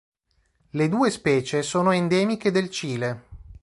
Le due specie sono endemiche del Cile.